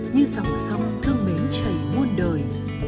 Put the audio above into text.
như dòng sông thương mến chảy muôn đời